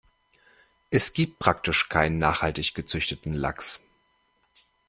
Es gibt praktisch keinen nachhaltig gezüchteten Lachs.